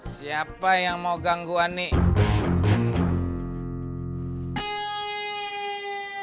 siapa yang mau gangguan nih